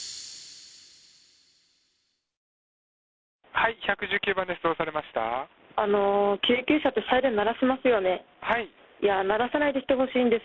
はい、１１９番です。